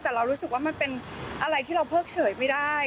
แต่เรารู้สึกว่ามันเป็นอะไรที่เราเพิกเฉยไม่ได้